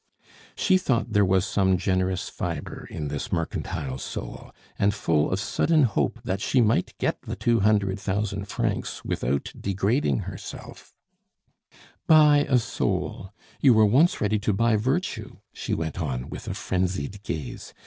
She thought there was some generous fibre in this mercantile soul, and full of sudden hope that she might get the two hundred thousand francs without degrading herself: "Buy a soul you were once ready to buy virtue!" she went on, with a frenzied gaze.